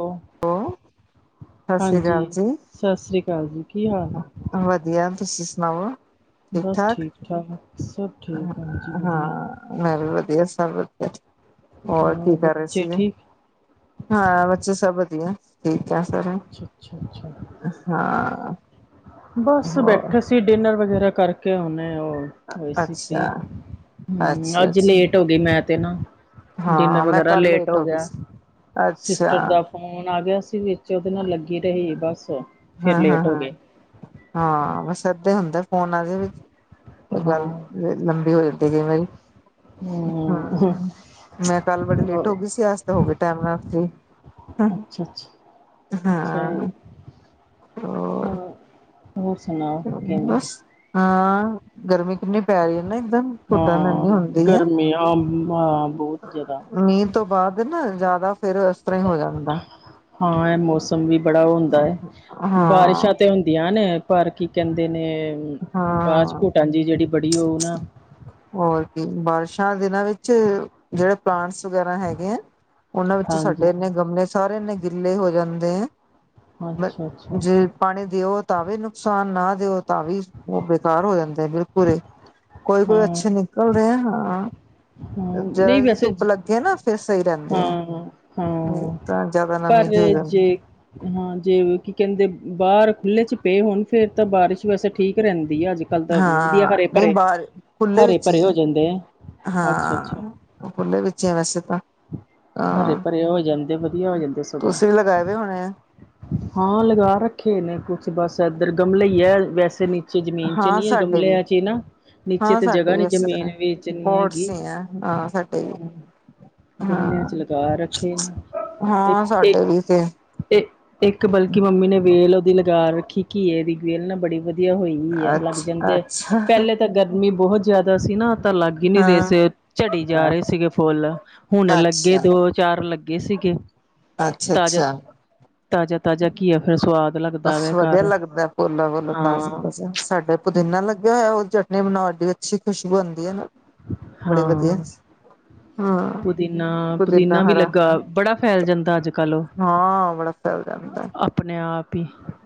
Hello, ਸਤਿ ਸ੍ਰੀ ਹਾਂਜੀ ਅਕਾਲ ਜੀ ਸਸ ਸ੍ਰੀ ਕਾਲ ਜੀ, ਕੀ ਹਾਲ? ਵਧੀਆ ਤੁਸੀਂ ਸੁਣਾਓ? ਬਸ ਠੀਕ-ਠਾਕ ਹ ਹਾ, ਮੈਂ ਵੀ ਵਧੀਆ ਸਭ ਵਧੀਆ। ਹੋਰ ਕੀ ਕਰ ਰਹੇ ਬੱਚੇ ਸੀਗੇ। ਠੀਕ ਹਾਂ ਬੱਚੇ ਸਭ ਵਧੀਆ ਠੀਕ ਐ ਫੇਰ, ਅੱਛਾ ਅੱਛਾ ਅੱਛਾ ਹਾ ਹੋਰ ਤੁਸੀਂ ਡਿਨਰ ਵਗੈਰਾ ਕਰਕੇ ਆਉੁਨੇ ਓ ਹੋਰ ਸੀ ਅੱਛਾ ਕੀ, ਹੂੰ ਅੱਛਾ ਅੱਜ ਅੱਛਾ ਲੇਟ ਹੋ ਗੇ ਮੈਂ ਤੇ ਨਾ ਡਿਨਰ ਹਾਂ ਮੈਂ ਵਗੈਰਾ ਕੱਲ ਲੇਟ ਹੋ ਗਈ ਗਿਆ। ਸੀ ਅੱਛਾ ਫ਼ੋਨ ਆ ਗਿਆ ਸੀ ਵਿੱਚ ਉਹਦੇ ਨਾਲ ਲੱਗੀ ਰਹੀ ਬਸ, ਫਿਰ ਹਾਂ ਹਾਂ ਲੇਟ ਹੋ ਹਾਂ ਗਏ। ਹਾਂ ਬਸ ਏਦਾਂ ਹੁੰਦਾ ਫੋਨ ਆਜੇ ਵਿੱਚ ਉਹ ਗੱਲ ਹਾਂ ਲੰਬੀ ਹੋ ਜਾਂਦੀ। ਜਿਵੇਂ ਹਾਂ ਹਮ ਮੈਂ ਕੱਲ ਬੜੀ ਲੇਟ ਹੋ ਗੀ ਸੀ ਅੱਜ ਤੇ ਹੋ ਗਈ ਟੈਮ ਨਾਲ ਫ੍ਰੀ। ਹਾਂ, ਅੱਛਾ ਅੱਛਾ ਅੱਛਾ ਜੀ ਹਾਂ ਹੋ ਹਾਂ ਹੋਰ ਸੁਨਾਓ ਕਿਵੇਂ? ਬਸ ਹਾਂ ਗਰਮੀ ਕਿੰਨੀ ਪੈ ਰੀ ਏ ਨਾ ਇੱਕਦਮ ਘੁੱਟਣ ਇੰਨੀ ਹੁੰਦੀ ਏ। ਮੀਂਹ ਆਮ ਹਾਂ ਬੋਤ ਜਾਦਾ। ਮੀਂਹ ਤੋਂ ਬਾਦ ਨਾ ਜਾਦਾ ਫੇਰ ਇਸ ਤਰ੍ਹਾਂ ਈ ਹੋ ਜਾਂਦੈ। ਹਾਂ, ਐ ਮੌਸਮ ਵੀ ਬੜਾ ਓ ਹੁੰਦਾ ਐ ਹਾਂ ਬਾਰਿਸ਼ਾਂ 'ਤੇ ਹੁੰਦੀਆਂ ਨੇ ਪਰ ਕੀ ਕੈਂਦੇ ਨੇ ਬਾਦ 'ਚ ਹਾਂ ਘੁਟਨ ਜੀ ਜੇੜੀ ਬੜੀ ਓ ਨਾ ਹੋਰ ਕੀ ਬਾਰਿਸ਼ਾਂ ਦਿਨਾਂ ਵਿੱਚ ਜੇੜੇ ਪਲਾਂਟਸ ਵਗੈਰਾ ਹੈਗੇ ਐ। ਓਨਾਂ ਵਿੱਚ ਹਾਂਜੀ। ਸਾਡੇ ਇੰਨੇ ਗਮਲੇ ਸਾਰੇ ਇੰਨੇ ਗਿੱਲੇ ਹੋ ਜਾਂਦੇ ਐ, ਮੈਂ ਅੱਛਾ ਅੱਛਾ ਜੇ ਪਾਣੀ ਦਿਓ ਤਾਂ ਵੀ ਨੁਕਸਾਨ ਨਾ ਦਿਓ ਤਾਂ ਵੀ ਓ ਬੇਕਾਰ ਹੋ ਜਾਂਦੇ ਬਿਲਕੁਲ ਈ। ਕੋਈ-ਕੋਈ ਹਾਂ ਅੱਛੇ ਨਿਕਲਦੇ ਐ ਹਾਂ ਹਾਂ ਜਰਾ ਨਹੀਂ ਜੀ ਵੈਸੇ ਧੁੱਪ ਲੱਗੀ ਦੀ ਐ ਨਾ ਫਿਰ ਸਈ ਰੈਂਦੇ ਐ ਹਾਂ ਨਈ ਹਾਂ ਤਾਂ ਜਾਦਾ ਨਮੀ ਪਰ ਜੀ ਹੋ ਜਾਂਦੀ ਏ। ਜੇ ਹਾਂ, ਜੇ ਵੀ ਕੀ ਕੈਂਦੇ ਬਾਰ ਖੁੱਲ੍ਹੇ 'ਚ ਪਏ ਹੋਨ ਫੇਰ ਤਾਂ ਬਾਰਿਸ਼ ਵੈਸੇ ਠੀਕ ਰੈਂਦੀ ਐ ਅੱਜ ਕੱਲ ਤਾਂ ਵਦੀਆ ਹਾਂ ਨਹੀਂ ਹਰੇ-ਭਰੇ, ਬਾਹਰ ਖੁੱਲੇ ਵਿੱਚ ਹੀ ਹਰੇ-ਭਰੇ ਹੋ ਹੈ ਜਾਂਦੇ ਐ ਅੱਛਾ-ਅੱਛਾ। ਓ ਖੁੱਲੇ ਵਿੱਚ ਈ ਐ ਵੈਸੇ ਤਾਂ। ਹਾਂ ਹਰੇ-ਭਰੇ ਹੋ ਜਾਂਦੇ, ਵਧੀਆ ਹੋ ਜਾਂਦੇ ਸਗੋਂ। ਤੁਸੀਂ ਲਗਾਏ ਹੋਏ ਹੋਣੇ ਆ ਹਾਂ, ਲਗਾ ਰੱਖੇ ਨੇ ਕੁਛ ਬਸ ਐਧਰ ਗਮਲੇ ਈ ਐ ਵੈਸੇ ਸੇ ਨੀਚੇ ਜ਼ਮੀਨ 'ਚ ਹਾਂ ਨੀ ਸਾਡੇ ਵੀ ਗਮਲਿਆਂ 'ਚ ਈ ਨਾ ਨੀਚੇ ਹਾਂ 'ਤੇ ਸਾਡੇ ਜਗ੍ਹਾ ਵੀ ਨੀ ਇਸੇ ਜਮੀਨ ਤਰ੍ਹਾਂ ਵੇਚਨੀ ਪੋਟਸ ਹੈਗੀ। ਹੀ ਆ ਹਾਂ ਫੇਰ ਸਈ ਗਮਲਿਆਂ ਹਾਂ, ਚ ਲਗਾ ਰੱਖੇ ਨੇ ਹਾਂ ਸਾਡੇ ਵੀ 'ਤੇ ਇਹ ਇੱਕ ਬਲਕਿ ਮੰਮੀ ਨੇ ਵੇਲ ਓਦੀ ਲਗਾ ਰੱਖੀ ਘੀਏ ਦੀ ਵੇਲ ਨਾ ਬੜੀ ਵਦੀਆ ਹੋਈ। ਐ ਲੱਗ ਅੱਛਾ ਜਾਂਦੇ ਅੱਛਾ ਪੈਲੇ ਤਾਂ ਗਰਮੀ ਬੋਹਤ ਜਾਦਾ ਸੀ ਨਾ ਤਾਂ ਲੱਗ ਈ ਨੀ ਰੇ ਹਾਂ ਸੀ, ਝੜੀ ਜਾ ਰੇ ਅੱਛਾ ਸੀਗੇ ਫੁੱਲ ਹੁਣ ਲੱਗੇ ਦੋ ਚਾਰ ਲੱਗੇ ਸੀਗੇ। ਅੱਛਾ-ਅੱਛਾ। ਤਾਜ਼ਾ-ਤਾਜ਼ਾ ਘੀਆ ਫਿਰ ਸੁਵਾਦ ਲੱਗਦਾ ਬਸ, ਵੈ ਵਧੀਆ ਘਰ ਲੱਗਦਾ ਪੋਲਾ ਵੁੱਲ ਹਾਂ ਤਾਜ਼ਾ-ਤਾਜ਼ਾ ਸਾਡੇ ਪੁਦੀਨਾ ਲਗਯਾ ਹੋਏਯਾ ਓ ਚਟਨੀ ਬਣਾਉਣ ਡੀ ਅਛੀ, ਖੁਸ਼ਬੂ ਆਂਦੀ ਐ ਨਾ ਬੜੀ ਵਦੀਆ। ਹਾਂ ਹਾਂ, ਪੁਦੀਨਾ ਪੁਦੀਨਾ ਵੀ ਹਰਾ ਲੱਗਾ ਬੜਾ ਫੈਲ ਜਾਂਦਾ ਅੱਜ ਕੱਲ੍ਹ ਹਾਂ ਬੜਾ ਚੱਲ ਜਾਂਦਾ ਐ। ਅਪਨੇ ਆਪ ਈ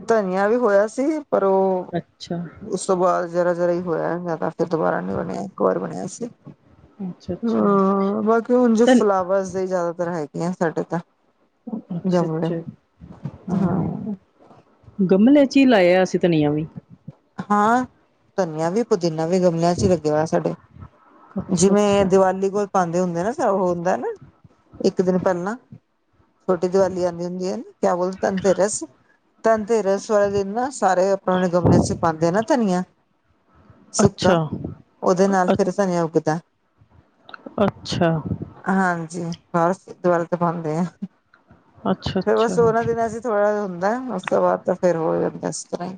ਧਨੀਆ ਵੀ ਹੋਇਆ ਸੀ ਪਰ ਓ ਅੱਛਾ ਉਸ ਤੋਂ ਬਾਦ ਜਰਾ-ਜਰਾ ਈ ਹੋਏਆ ਹੈਗਾ ਤਾਂ ਫਿਰ ਦੁਬਾਰਾ ਨੀ ਬਨੇਆ ਇੱਕ ਵਾਰ ਬਨੇਆ ਸੀ। ਅੱਛਾ ਅੱਛਾ ਹਾਂ, ਬਾਕੀ ਹੁਨ ਧ ਜਸ ਫਲਾਵਰਸ ਦੇ ਜ਼ਿਆਦਾਤਰ ਹੈਗੇ ਆ ਸਾਡੇ ਤਾਂ ਅੱਛਾ ਗਮਲੇ ਅੱਛਾ ਹਾਂ। ਗਮਲਿਆ 'ਚ ਈ ਲਾਇਆ ਸੀ ਧਨੀਆ ਵੀ ਹਾਂ, ਧਨੀਆ ਵੀ, ਪੁਦੀਨਾ ਵੀ, ਗਮਲਿਆਂ 'ਚ ਹੀ ਲੱਗੇਆ ਹੋਏਆ ਸਾਡੇ। ਅੱਛਾ ਜਿਵੇਂ ਅੱਛਾ ਦੀਵਾਲੀ ਕੋਲ ਪਾਂਦੇ ਹੁੰਦੇ ਨਾ ਓ ਹੁੰਦਾ ਨਾ ਇੱਕ ਦਿਨ ਪੈਲਾਂ ਛੋਟੀ ਦੀਵਾਲੀ ਆਂਦੀ ਹੁੰਦੀ ਐ ਨਾ, ਕੇਆ ਬੋਲ ਧਨ ਤੇਰਸ ਧਨਤੇਰਸ ਵਾਲੇ ਦਿਨ ਨਾ ਪੁਰਾਣੇ ਗਮਲਿਆਂ 'ਚ ਪਾਂਦੇ ਆ ਨਾ ਧਨੀਆ ਸੁੱਕਾ। ਅੱਛਾ ਓਦੇ ਨਾਲ ਅ ਫਿਰ ਧਨਿਆ ਉੱਗਦਾ। ਅੱਛਾ। ਹਾਂਜੀ, ਬਸ ਦੀਵਾਲ਼ੀ ਤੇ ਪਾਂਦੇ ਐ, ਅੱਛਾ ਫਿਰ ਬਸ ਅੱਛਾ ਓਨਾ ਦਿਨਾ 'ਚ ਥੋੜਾ ਹੁੰਦਾ ਉਸ ਤੋਂ ਬਾਅਦ ਤਾਂ ਫੇਰ ਹੋ ਜਾਂਦਾ ਇਸ ਤਰ੍ਹਾਂ ਹੀ।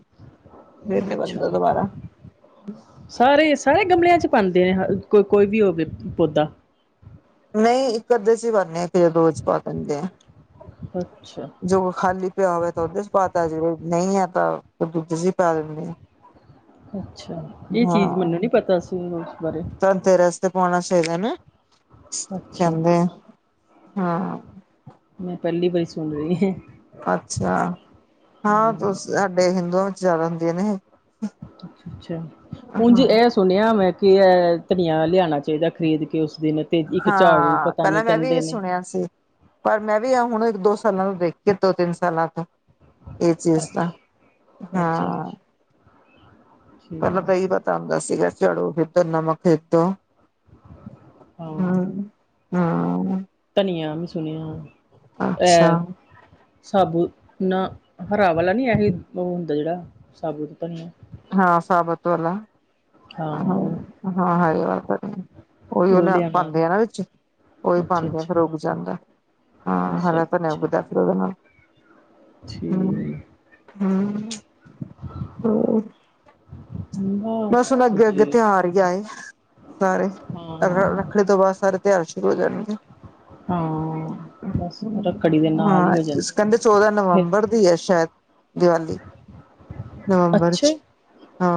ਫਿਰ ਨੀ ਅੱਛਾ। ਬਣਦਾ ਦੁਬਾਰਾ ਸਾਰੇ-ਸਾਰੇ ਗਮਲਿਆਂ 'ਚ ਪਾਉਂਦੇ ਨੇ ਕੋ ਕੋਈ ਵੀ ਹੋਵੇ ਪੌਦਾ ਨਹੀਂ ਇੱਕ ਅੱਧੇ 'ਚ ਹੀ ਭਰਨੇ ਇੱਕ ਜਾਂ ਰੋਜ਼ ਪਾ ਦਿੰਦੇ ਆ। ਅੱਛਾ। ਜੋ ਖਾਲੀ ਪਿਆ ਹੋਵੇ ਤਾਂ ਉਹਦੇ 'ਚ ਪਾਤਾ ਜ ਨਹੀਂ ਹੈ, ਤਾਂ ਦੂਜੇ 'ਚ ਪਾ ਦਿੰਦੇ ਆ। [inaudible] ਅੱਛਾ, ਇਹ ਚੀਜ਼ ਮੈਨੂੰ ਨੀ ਪਤਾ ਸੀ ਉਸ ਬਾਰੇ। ਸਿੱਧੇ ਰਸਤੇ ਪਾਉਣਾ ਚਾਹੀਦਾ ਨਾ ਅੱਛਾ ਕਹਿੰਦੇ ਆ। ਮੈਂ ਪਹਿਲੀ ਵਾਰੀ ਸੁਣ ਰਹੀ ਏਹ ਅੱਛਾ, ਹਾਂ ਤੁਸ ਸਾਡੇ ਹਿੰਦੂਆਂ ਵਿੱਚ ਜ਼ਿਆਦਾ ਹੁੰਦੀਆਂ ਆ ਨਾ ਇਹ ਅੱਛਾ ਅੱਛਾ, ਉਂਝ ਹਾਂ ਇਹ ਸੁਣਿਆ ਮੈਂ ਕਿ ਇਹ ਧਨੀਆ ਲਿਆਣਾ ਚਾਹੀਦਾ। ਖਰੀਦ ਕੇ ਉਸ ਦਿਨ। ਤੇ ਇੱਕ ਝਾੜੂ ਹਾਂ, ਪਤਾ ਪਹਿਲਾਂ ਨਹੀਂ ਮੈਂ ਵੀ ਕਹਿੰਦੇ ਇਹ ਨੇ ਸੁਣਿਆ ਸੀ। ਪਰ ਮੈਂ ਵੀ ਆ ਹੁਣ ਇੱਕ ਦੋ ਸਾਲਾਂ ਤੋਂ ਦੇਖਦੀ ਆ ਦੋ ਤਿੰਨ ਸਾਲਾਂ ਤੋਂ। ਇਹ ਚੀਜ਼ ਤਾਂ ਅੱਛਾ ਅੱਛਾ ਹਾਂ। ਅੱਛਾ ਪਹਿਲਾਂ ਤਾਂ ਇਹ ਹੀ ਠੀਕ ਹੈ ਪਤਾ ਹੁੰਦਾ ਸੀਗਾ ਝਾੜੂ ਖੇਤੋਂ ਨਵਾਂ ਖੇਤੋਂ। ਹਾਂ - ਹਾਂ। ਧਨੀਆ ਮੈਂ ਸੁਣਿਆ ਅੱਛਾ ਐ। ਸਾਬੁਤ ਨਾਂ ਹਰਾ ਵਾਲਾ ਨੀ ਇਹ ਉਹ ਹੁੰਦਾ ਜਿਹੜਾ ਸਾਬੁਤ ਧਨੀਆ। ਹਾਂ ਸਾਬਤ ਵਾਲਾ। ਹਾਂ ਉਹ ਹਾਂ ਹਾਂ ਏਹੀਓ ਹਰੇ ਉਹੀ ਉਹ ਲਿਆਣਾ ਪਾਂਦੇ ਆ ਨਾ ਵਿੱਚ। ਉਹੀ ਅੱਛਾ ਪਾਂਦੇ ਆ ਅੱਛਾ ਫੇਰ ਉੱਗ ਜਾਂਦਾ ਹਾਂ ਅੱਛਾ ਹਰਾ ਧਨਿਆ ਅੱਛਾ ਉੱਗਦਾ। ਉਦੇ ਨਾਲ ਹੂੰ। ਠੀਕ ਹਾਂ ਉਹ। [unintelligible] ਸੁਣ ਅੱਗੇ - ਅੱਗੇ ਜੇਠ ਤਿਉਹਾਰ ਹੀ ਆਏ ਸਾਰੇ ਅਰ - ਅਰ। ਹਾਂ ਅੱਗੇ ਤੋਂ ਬਾਅਦ ਸਾਰੇ ਤਿਉਹਾਰ ਸ਼ੁਰੂ ਹੋ ਜਾਣਗੇ। ਹਾਂ। ਬਸ ਰੱਖੜੀ ਦੇ ਨਾਲ ਹਾਂ ਹੀ ਹੋ ਇਸ ਜਾਂਦੇ ਕਹਿੰਦੇ ਚੌਦਾ ਫਿਰ ਨਵੰਬਰ ਦੀ ਹੈ ਸ਼ਾਇਦ। ਦੀਵਾਲੀ ਨਵੰਬਰ ਅੱਛਾ 'ਚ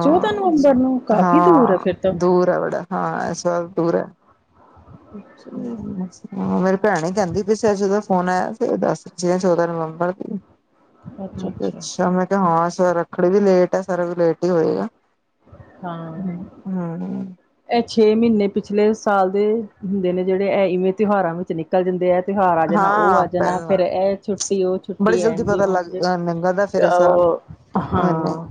ਚੌਦਾਂ ਨਵੰਬਰ ਨੂੰ ਕਾਫ਼ੀ ਦੂਰ ਹੈ ਹਾਂ ਫਿਰ ਤਾਂ ਦੂਰ ਹੈ ਬੜਾ ਹਾਂ ਏਸ ਬਾਰ ਦੂਰ ਐ। [inaudible] ਦਿਵਾਲੀ ਬਸ। ਹਾਂ ਮੇਰੀ ਭੈਣ ਕਹਿੰਦੀ ਪਈ ਸੀ ਅੱਜ ਉਹਦਾ ਫੋਨ ਆਇਆ ਸੀ ਦੱਸ ਸੀ ਚੌਦਾਂ ਨਵੰਬਰ ਨੂੰ। ਬਹੁਤ ਅੱਛਾ, ਮੈਂ ਕਿਹਾ ਹਾਂ ਇਸ ਵਾਰ ਰੱਖੜੀ ਵੀ ਲੇਟ ਆ ਸਾਰਾ ਕੁੱਝ ਲੇਟ ਹੀ ਹੋਏਗਾ। ਹਾਂ। ਹੂੰ ਇਹ ਛੇ ਮਹੀਨੇ ਪਿਛਲੇ ਸਾਲ ਦੇ ਹੁੰਦੇ ਨੇ ਜਿਹੜੇ ਇਹ ਇਵੇਂ ਤਿਉਹਾਰਾਂ ਵਿੱਚ ਨਿਕਲ ਨਿਕਲ ਜਾਂਦੇ ਇਹ ਤਿਉਹਾਰ ਆ ਜਾਣਾ ਉਹ ਆ ਹਾਂ ਜਾਣਾ ਫੇਰ ਪਹਿਲਾਂ ਇਹ ਛੁੱਟੀ ਉਹ ਬੜੀ ਛੁੱਟੀ ਜਲਦੀ ਇੰਝ ਪਤਾ ਲੱਗ ਉਂਝ। ਲੰਘਦਾ ਇਕ ਫਿਰ ਇਹ ਸਾਲ ਉਹ ਹਾਂ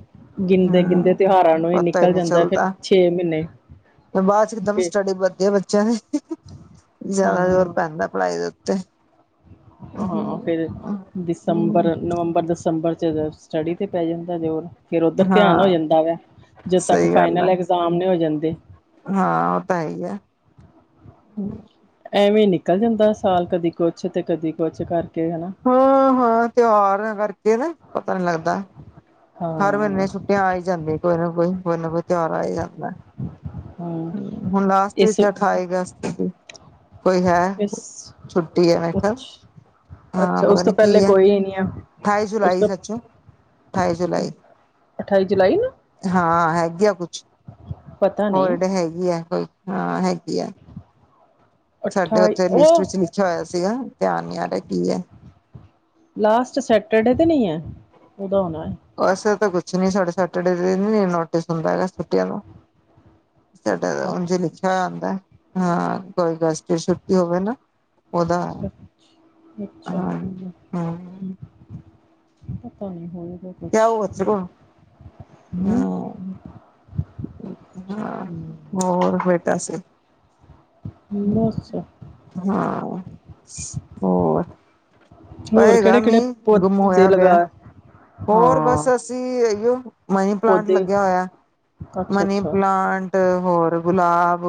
ਗਿਣਦੇ ਗਿਣਦੇ ਹੂੰ, ਤਿਉਹਾਰਾਂ ਨੂੰ ਫੇਰ ਪਤਾ ਹੀ ਨਿਕਲ ਨਹੀਂ ਜਾਂਦਾ ਫਿਰ ਚੱਲਦਾ ਛੇ ਮਹੀਨੇ। ਬਾਅਦ 'ਚ ਇਕਦਮ ਫਿਰ ਸਟੱਡੀ ਵਧਦੀ ਹੈ ਬੱਚਿਆਂ ਦੀ ਜਿਆਦਾ ਜੋਰ ਹਾਂ, ਪੈਂਦਾ। ਪੈਂਦਾ ਪੜਾਈ ਦੇ ਉਤੇ। ਹਾਂ ਫੇਰ ਦਸੰਬਰ, ਨਵੰਬਰ, ਦਸੰਬਰ 'ਚ ਅਗਸਤ। ਸਟੱਡੀ ਤੇ ਪੈ ਜਾਂਦਾ ਜ਼ੋਰ ਫੇਰ ਉੱਧਰ ਧਿਆਨ ਹੋ ਹਾਂ, ਜਾਂਦਾ ਵਾ ਜਦੋਂ ਤੱਕ ਸਹੀ ਗੱਲ ਫਾਈਨਲ ਹੈ ਐਗਜਾਮ। ਸਾਮਣੇ ਹੋ ਜਾਂਦੇ। ਹਾਂ ਓ ਤਾਂ ਹੈ ਈ ਐ, ਹੂੰ। ਐਵੇਂ ਨਿਕਲ ਜਾਂਦਾ ਸਾਲ ਕਦੀ ਕੁਛ ਤੇ ਕਦੀ ਕੁਛ ਕਰਕੇ ਹਨਾ, ਹਾਂ - ਹਾਂ ਤਿਹਾਰਾ ਕਰਕੇ ਨਾ ਪਤਾ ਨੀ ਲੱਗਦਾ। ਹਰ ਮੀਨੇ ਹਾਂ, ਛੁੱਟੀਆਂ ਆ ਈ ਜਾਂਦੀਆਂ ਨੇ ਕੋਈ ਨਾ ਕੋਈ -ਕੋਈ ਨਾ ਕੋਈ ਤਿਹਾਰ ਆ ਈ ਜਾਂਦਾ। ਹਾਂ ਹੁਣ ਲਾਸਟ ਇਸ ਵਿੱਚ ਅਠਾਈ ਅਗਸਤ ਦੀ ਕੋਈ ਹੈ, ਇਸ ਛੁੱਟੀ ਹੈ ਕੱਲ? ਅੱਛ ਹਾਂ ਅੱਛਾ ਪਤਾ ਉਸ ਨੀ ਤੋਂ ਕੀ ਪਹਿਲੇ ਐ, ਕੋਈ ਹੀ ਨਹੀਂ ਆ ਅਠਾਈ ਉਸ ਜੁਲਾਈ ਤੋਂ ਸੱਚ -ਅਠਾਈ ਜੁਲਾਈ। ਅਠਾਈ ਜੁਲਾਈ ਨੂੰ? ਹਾਂ ਹੈਗੀ ਆ ਕੁਛ, ਪਤਾ ਨਹੀਂ ਹੋਲਡ ਹੈਗੀ ਆ, ਕੋਈ ਹਾਂ ਹੈਗੀ ਆ। ਸਾਡੇ ਅਠਾਈ ਓੱਥੇ ਲਿਸਟ ਵਿੱਚ ਉਹ ਲਿਖਿਆ ਹੋਇਆ ਸੀਗਾ, ਧਿਆਨ ਨੀ ਆ ਰੇਆ ਕੀ ਐ ਲਾਸਟ ਸੈਟਰਡੇ ਤੇ ਨਈ ਐ, ਓਦਾ ਹੋਣਾ ਐਸ ਵਾਰ ਤਾਂ ਕੁੱਛ ਨੀ ਸਾਡੇ ਸੈਟਰਡੇ ਦੇ ਨਈ ਨੋਟਿਸ ਹੁੰਦਾ ਹੈਗਾ ਛੁੱਟੀਆਂ ਦਾ। ਸਾਡਾ ਓਂਝ ਈ ਲਿਖਿਆ ਹੋਏਆ ਅੱਛਾ ਆਂਦਾ, ਹਾਂ ਕੋਈ ਗਸਟਰ ਛੁੱਟੀ ਹੋਵੇ ਨਾ ਓਦਾ, ਅੱਛਾ ਹਾਂਜੀ ਹਾਂ। ਪਤਾ ਨੀ ਹੋਊਗਾ। ਕਿਆ ਹੁਆ ਸੀਗਾ, ਹੂੰ ਓ ਏਥੇ ਨਾ ਹੂੰ ਹੋਰ-ਹੋਰ ਦੱਸ? ਬਸ। ਹਾਂ ਹੋਰ ਹੋਰ ਪਏਗਾ ਕਿਹੜੇ ਕਿਹੜੇ ਮੀਂਹ, ਗੁੰਮ ਪੌਦੇ ਹੋਏਆ ਪੇਆ ਲਗਾ ਹੋਰ ਹਾਂ ਬਸ-ਬਸ। ਚੀਇਓ ਮਨੀ ਪਲਾਂਟ ਪੌਦੇ ਲੱਗਾ ਹੋਏਆ, ਅੱਛਾ ਮਨੀ ਅੱਛਾ ਪਲਾਂਟ ਤੇ ਹੋਰ ਗੁਲਾਬ।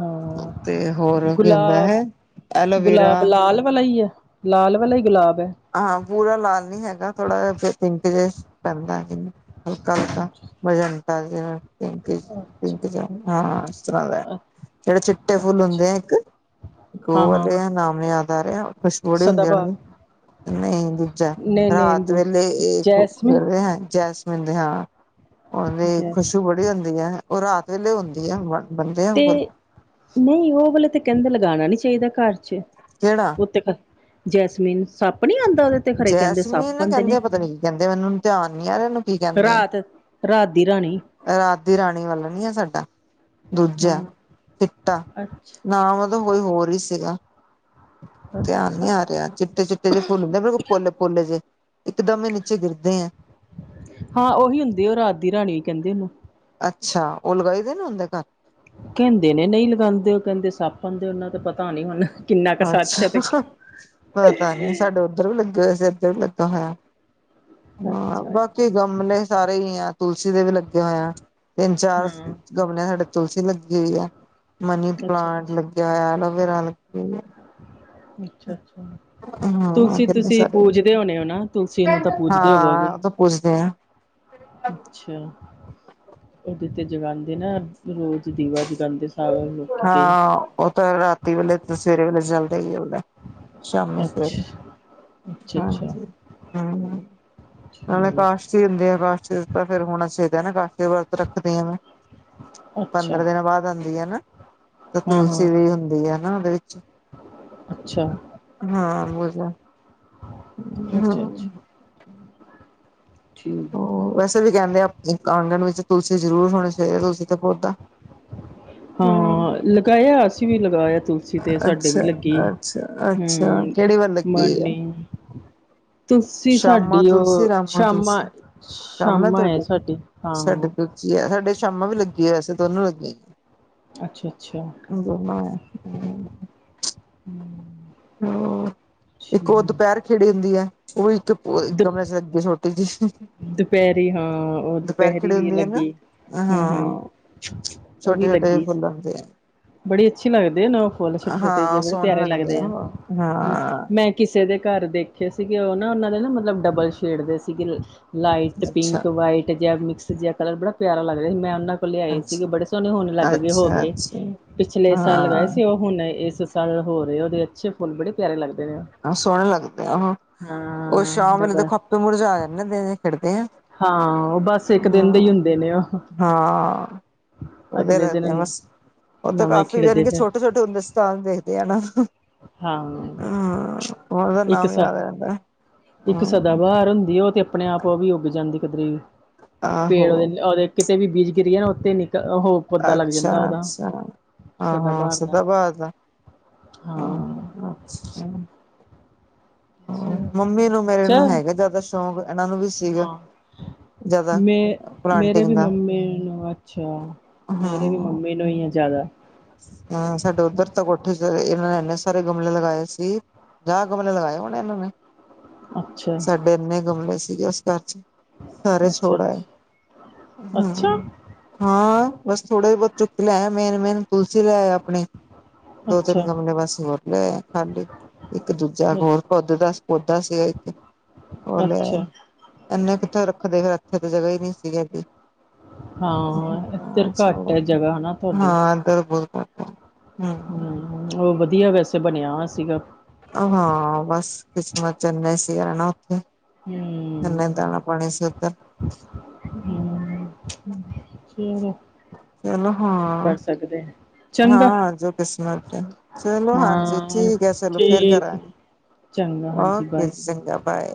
ਹਾਂ, ਤੇ ਹੋਰ ਕੀ ਹੁੰਦਾ ਗੁਲਾਬ- ਹੈ ਐਲੋਵੇਰਾ ਗੁਲਾਬ ਲਾਲ? ਵਾਲਾ ਈ ਐ? ਲਾਲ ਵਾਲਾ ਈ ਗੁਲਾਬ ਐ। ਹਾਂ ਪੂਰਾ ਲਾਲ ਨੀ ਹੈਗਾ ਥੋੜ੍ਹਾ ਜੇਆ ਪਿੰਕ ਜੇਆ ਪੈਂਦਾ ਹੈ ਹਲਕਾ- ਹਲਕਾ ਅੱਛਾ ਮਜੰਟਾ ਜੇਆ। ਪਿੰਕ- ਅੱਛਾ ਪਿੰਕ ਜੇਆ ਨੀ ਹਾਂ ਇਸ ਤਰ੍ਹਾਂ ਦਾ ਜੇੜੇ ਚਿੱਟੇ ਫੁੱਲ ਅੱਛਾ ਹੁੰਦੇ ਆ ਇੱਕ ਹਾਂ ਗੋਲ ਹਾਂ ਨਾਮ ਯਾਦ ਆਏਆ ਖੁਸ਼ਬੂ ਬੜੀ ਹੁੰਦੀ ਓਨਾ ਸਦਾਬਹਾਰ ਦੀ। - ਨਈ ਦੂਜਾ, ਨਹੀਂ ਨਹੀਂ ਰਾਤ ਵੇਲੇ ਦੂਸਰੇ ਏ ਜੈਸਮਿਨ ਖਿਲੇ ਹੈ ਜੈਸ ਹੁੰਦੀ ਹਾਂ, ਓਦੀ ਜੈਸਮਿਨ ਖੁਸ਼ਬੂ ਬੜੀ ਹੁੰਦੀ ਹੈ ਉਹ ਰਾਤ ਵੇਲੇ ਹੁੰਦੀ ਹੈ ਬਸ। ਤੇ ਨਈ ਓ ਵਾਲੇ ਤਾਂ ਕੇਂਦੇ ਲਗਾਣਾ ਨੀ ਚਾਈਦਾ ਘਰ 'ਚ। ਕੇੜਾ? ਜੈਸਮੀਨ ਸੱਪ ਨੀ ਆਂਦਾ ਓਦੇ? ਜੈਸਮੀਨ ਨਾ ਕੇਂਦੇ ਆ ਪਤਾ ਨੀ ਕੀ ਕੇਂਦੇ ਮੈਨੂੰ ਹੁਨ ਧਿਆਨ ਨੀ ਆ ਰੇਆ ਓਨੂ ਕੀ ਕੇਂਦੇ ਰਾਤ ਰਾਤ ਦੀ ਰਾਣੀ ਆ ਰਾਤ ਦੀ ਰਾਣੀ ਵਾਲਾ ਨੀ ਆ ਸਾਡਾ, ਦੂਜਾ ਹਾਂ ਚਿੱਟਾ ਅੱਛਾ ਨਾਮ ਓਦਾ ਕੋਈ ਹੋਰ ਵੀ ਸੀਗਾ, ਧਿਆਨ ਨੀ ਅੱਛਾ ਆ ਰੇਆ ਚਿੱਟੇ -ਚਿੱਟੇ ਜੇ ਫੁੱਲ ਹੁੰਦੇ ਬਿਲਕੁਲ ਪੋਲੇ- ਪੋਲੇ ਜੇ, ਇੱਕਦਮ ਈ ਨੀਚੇ ਗਿਰਦੇ ਐ। ਹਾਂ ਓਹੀ ਹੁੰਦੇ ਐ ਰਾਤ ਦੀ ਰਾਣੀ ਈ ਕੇਂਦੇ ਓਨੂੰ। ਅੱਛਾ ਓ ਲਗਾਈ ਦਾ ਨਈ ਹੁੰਦਾ ਘਰ? ਕੇਂਦੇ ਨੇ ਨਈ ਲਗਾਂਦੇ ਓ ਕੇਂਦੇ ਸੱਪ ਆਂਦੇ ਓਨਾਂ ਤੇ ਪਤਾ ਨੀ ਹੁਣ ਕਿੰਨਾ ਕੁ ਸੱਚ ਹੈ ਅੱਛਾ ਤੇ ਹਹ ਪਤਾ ਨੀ ਸਾਡੇ ਓਧਰ ਵੀ ਲੱਗੇ ਹੋਏ ਸੀ, ਏਧਰ ਵੀ ਲੱਗਾ ਹੋਏਆ, ਹਾਂ ਅੱਛਾ ਬਾਕੀ ਗਮਲੇ ਸਾਰੇ ਈ ਐ ਤੁਲਸੀ ਦੇ ਵੀ ਲੱਗੇ ਹੋਏ ਆ ਤਿੰਨ- ਚਾਰ ਹਾਂ ਗਮਲਿਆਂ 'ਚ ਸਾਡੇ ਤੁਲਸੀ ਲੱਗੀ ਹੋਈ ਐ, ਮਨੀ ਅੱਛਾ ਪਲਾਂਟ ਅੱਛਾ ਲੱਗਿਆ ਹੋਇਆ, ਐਲੋਵੇਰਾ ਲੱਗੀ ਹੋਈ ਐ। ਅੱਛਾ- ਅੱਛਾ। ਹਾਂ ਤੁਲਸੀ ਕਿੰਨੇ ਤੁਸੀਂ ਸਾਰੇ ਪੂਜਦੇ ਹੋਣੇ ਓ ਨਾ, ਤੁਲਸੀ ਨੂੰ ਤਾਂ ਪੂਜਦੇ ਹੋਵੋਗੇ। ਪੂਜਦੇ ਆਂ। ਅੱਛਾ ਓਦੇ ਤੇ ਜਗਾਂਦੇ ਨਾ ਰੋਜ਼ ਦੀਵਾ ਜਗਾਂਦੇ। ਸਾਰੇ ਲੋਕੀ ਕਈ ਹਾਂ ਓ ਤਾਂ ਰਾਤੀ ਵੇਲੇ ਤੇ ਸਵੇਰੇ ਵੇਲੇ ਜਲਦਾ ਈ ਜਲਦਾ। ਸ਼ਾਮੀਂ- ਸਵੇਰੇ ਅੱਛਾ ਅੱਛਾ ਹਾਂਜੀ। ਹੂੰਅ ਅੱਛਾ ਨਾਲੇ ਕਾਸ਼ ਠੀਕ [unintelligible] ਅੱਛਾ ਪੰਦਰਾਂ ਦਿਨਾਂ ਬਾਦ ਆਂਦੀ ਐ ਨਾ। ਤੇ ਹਾਂ ਤੁਲਸੀ ਹਾਂ ਵੀ ਹੁੰਦੀ ਆ ਨਾ ਓਦੇ ਵਿੱਚ। ਅੱਛਾ ਹਾਂ ਬੂਜਾ ਅੱਛਾ ਹੂੰਅ। ਅੱਛਾ ਠੀਕ। ਵੈਸੇ ਵੀ ਕੈਂਦੇ ਆ ਆਂਗਣ ਵਿੱਚ ਤੁਲਸੀ ਜ਼ਰੂਰ ਹੋਣੇ ਚਾਈਦੇ, ਆ ਤੁਲਸੀ ਦਾ ਪੌਦਾ। ਹਮ ਹਾਂ ਲਗਾਇਆ ਅਸੀਂ ਵੀ ਲਗਾਇਆ, ਤੁਲ ਤੁੁਲਸੀ ਤੇ ਸਾਡੇ ਵੀ ਅੱਛਾ ਲੱਗੀਵ ਅੱਛਾ ਅੱਛਾ ਹੂੰ ਕਿਹੜੀ ਵੱਲ ਲੱਗੀ ਹੋਈ ਆ ਮੋਰਨਿੰਗ ਤੁਸੀਂ ਸ਼ਾਮਾ ਸਾਡੀ ਓ ਤੁਲਸੀ ਰਾਮਾ ਸ਼ਾਮਾ, ਤੁਲਸੀ ਸ਼ਾਮਾ ਆ ਸਾਡੀ ਸਾਡੇ ਹਾਂ। ਸਾਡੇ ਸ਼ਾਮਾਂ ਵੀ ਲੱਗੀ ਐ, ਅਸੀ ਦੋਨੋ ਲੱਗੀਆਂ। ਅੱਛਾ-ਅੱਛਾ। ਜਦੋ ਮੈਂ ਹਮ ਹੋਰ, ਇੱਕ ਓ ਦਪੈਰ ਖਿੱੜੀ ਹੁੰਦੀ ਆ। ਵੋਈ ਤੋਂ ਇੱਕ ਕਮਰੇ 'ਚ ਲੱਗੀ ਏ ਛੋਟੀ ਜੀ। ਦਪੈਰੀ ਹਾਂ ਓ ਦੁਪਹੈਰੀ ਵੀ ਹੁੰਦੀ ਹੈ ਨਾ ਲੱਗੀ। ਹੂੰ ਹੂੰ, ਹਾਂ ਓ ਵੀ ਛੋਟੇ ਛੋਟੇ ਲੱਗੀ। ਫੁੱਲ ਹੁੰਦੇ ਬੜੀ ਅੱਛੀ ਲੱਗਦੇ ਨਾ ਓ ਫੁੱਲ ਆ ਛੋਟੇ- ਛੋਟੇ ਜੇ, ਹਾਂ ਬੜੇ ਸੋਹਣੇ ਪਿਆਰੇ ਲੱਗਦੇ ਆ। ਹੂੰ ਹਾਂ ਮੈਂ ਕਿਸੇ ਦੇ ਘਰ ਦੇਖੇ ਸੀਗੇ, ਓ ਨਾ ਓਨਾਂ ਨੇ ਨਾ ਮਤਲਬ ਡਬਲ ਸ਼ੇਡ ਦੇ ਸੀਗੇ ਲਾਈਟ ਅੱਛਾ ਪਿੰਕ, ਵਾਈਟ ਜਿਆ ਮਿਕਸ ਜਿਆ। ਕਲਰ ਬੜਾ ਪਿਆਰਾ ਲੱਗ ਰਿਆ ਹੀ, ਮੈਂ ਓਨਾ ਓ ਲਿਆਏ ਸੀਗੇ ਅੱਛਾ ਬੜੇ ਸੋਹਣੇ ਹੁਣ ਲੱਗ ਗੇ, ਹੋ ਅੱਛਾ ਗੇ। ਅੱਛਾ ਪਿਛਲੇ ਸਾਲ ਲਗਏ ਸੀ ਹਾਂ ਓ। ਹੁਣ ਏਸ ਸਾਲ ਹੋ ਰੇ ਓਦੇ ਅੱਛੇ ਫੁੱਲ ਬੜੇ ਪਿਆਰੇ ਲੱਗਦੇ ਨੇ। ਆ ਸੋਹਣੇ ਲੱਗਦੇ ਉਹ, ਹਾਂ ਸ਼ਾਮ ਵੇਲੇ ਡਬਲ ਦੇਖੋ ਆਪੇ ਮੁਰਝਾ ਜਾਂਦੇ ਦਿਨੇ ਖਿੜਦੇ ਆ। ਹਾਂ ਉਹ ਬਸ ਇੱਕ ਦਿਨ ਦੇ ਹੀ ਹਾਂ- ਹੁੰਦੇ ਨੇ ਉਹ ਹਾਂ। ਓਦੇ ਅਗਲੇ ਲੱਗਦੇ ਦਿਨ ਮਸ। ਓਤੋਂ ਨਵੇਂ ਕਾਫ਼ੀ ਜਾਣੀ ਖਿੜਦੇ ਕਿ ਫਿਰ ਛੋਟੇ ਛੋਟੇ ਹੁੰਦੇ ਸੀ ਤਾਂ ਦੇਖਦੇ ਆ ਨਾ। ਹਾਂ ਹਾਂ ਓਦਾ ਨਾਮ ਯਾਦ ਆ ਜਾਂਦਾ। ਹੂੰ ਬਹਾਰ ਹੁੰਦੀ ਓ ਤੇ ਆਪਣੇ ਆਪ ਓ ਵੀ ਉੱਗ ਜਾਂਦੀ ਕਿਧਰੇ ਵੀ। ਪੇੜ ਆਹੋ ਓਦੇ ਕਿਤੇ ਵੀ ਬੀਜ ਗਿਰੀਏ ਨਾ ਓਤੇ ਈ ਨਿਕਲ ਓਹੋ ਅੱਛਾ- ਅੱਛਾ, ਹਾਂ ਹਾਂ ਸਦਾਬਹਾਰ ਦਾ ਸਿੱਧਾ ਭਾਜਦਾ। ਹਾਂ- ਅੱਛਾ। ਚ ਮੰਮੀ ਨੂੰ ਮੇਰੇ ਚ ਨੂੰ ਹੈਗਾ ਜ਼ਾਦਾ ਸ਼ੌਕ, ਏਨਾਂ ਨੂੰ ਵੀ ਸੀਗਾ। ਜ਼ਿਆਦਾ ਮੇਂ ਮੇਰੇ ਵੀ ਪਲਾਂਟਿੰਗ ਦਾ ਮੰਮੀ ਨੂੰ ਅੱਛਾ ਮੇਰੇ ਵੀ ਹਾਂ ਮੰਮੀ ਨੀ ਆ ਜ਼ਾਦਾ। ਹਾਂ ਸਾਡੇ ਉੱਧਰ ਤਾਂ ਕੋਠੇ 'ਚ ਏਨਾਂ ਨੇ ਏਨੇ ਸਾਰੇ ਗਮਲੇ ਲਗਾਏ ਸੀ। ਪੰਜਾ ਗਮਲੇ ਲਗਾਏ ਹੋਣੇ ਏਨਾਂ ਨੇ। ਅੱਛਾ ਕਿੰਨੇ ਗਮਲੇ ਸੀਗੇ ਉਸ ਘਰ ਚ। ਸਾਰਾ ਅੱਛਾ ਛੋੜ ਆਏ ਹੂ ਅੱਛਾ ਹਾਂ ਬਸ ਥੋੜੇ ਬਹੁਤ ਚੁੱਕ ਕੇ ਲੈ ਆਏ, ਮੇਨ- ਮੇਨ ਤੁਲਸੀ ਲੈ ਆਏ ਆਪਣੇ ਦੋ ਤਿੰਨ ਅੱਛਾ ਗਮਲੇ ਅਸੀ ਹੋਰ ਲਿਆਏ ਆਂ ਖਾਲੀ ਇੱਕ ਦੂਜਾ ਅੱਛਾ ਹੋਰ ਪੌਧਾ ਦਾ ਪੌਧਾ ਸੀ ਇਥੇ ਅੱਛਾ ਇਨੇ ਕਿੱਥੇ ਰੱਖਦੇ, ਫਿਰ ਇੱਥੇ ਤੇ ਜਗਾਹ ਹੀ ਨੀ ਸੀਗੀ ਐਡੀ ਹਾਂ ਇੱਧਰ ਘੱਟ ਹੈ ਜਗ੍ਹਾਹ ਹੈਨਾ ਤੁਹਾਡੇ। ਬਿੱਲਕੁਲ ਹੂ ਉਹ ਵਧੀਆ ਵੈਸੇ ਬਣਿਆ ਹੋਯਾ ਸੀਗਾ। ਹਾਂ ਬਸ ਕਿਸਮਤ ਚ ਐਨਾ ਸੀ ਰਹਿਣਾ ਉੱਥੇ। ਜਿੰਨਾ ਹਮ ਦਾਣਾ ਪਾਣੀ ਸੀ ਉਧਰ ਹਮ ਕੀ ਹੋ ਗਿਆ। ਚਲੋ ਹਾਂ ਠੀਕ ਐ ਹਾਂ ਜੋ ਕਿਸਮਤ ਹੈ। ਚਲੋ ਹਾਂਜੀ ਹਾਂ ਠੀਕ ਹੈ ਚਲੋ ਫੇਰ ਠੀਕ ਕਰਾਂਗੇ। ਚੰਗਾ ਹਾਂਜੀ ਓਕੇ, ਬਾਏ ਚੰਗਾ ਬਾਏ।